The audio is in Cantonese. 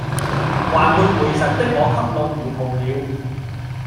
還沒回神的我給弄糊塗了